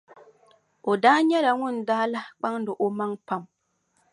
O daa nyɛla ŋun daa lahi kpaŋdi o maŋa pam.